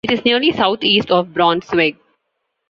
It is nearly south-east of Braunschweig.